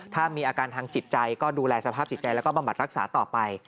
ถ้ามีอาการทางจิตใจก็ดูแลสภาพจิตใจแล้วก็บำบัดรักษาต่อไป